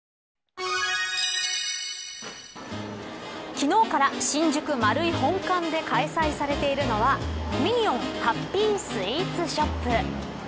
昨日から新宿マルイ本館で開催されているのはミニオンハッピースイーツショップ。